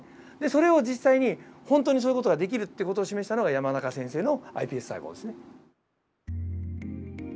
それを実際に本当にそういう事ができるっていう事を示したのが山中先生のｉＰＳ細胞ですね。